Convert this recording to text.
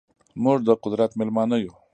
موږ ده قدرت میلمانه یو